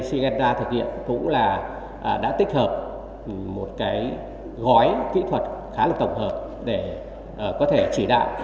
sea gamesta thực hiện cũng là đã tích hợp một cái gói kỹ thuật khá là tổng hợp để có thể chỉ đạo